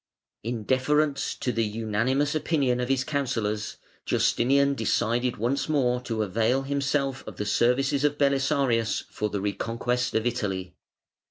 Still, in deference to the unanimous opinion of his counsellors, Justinian decided once more to avail himself of the services of Belisarius for the reconquest of Italy.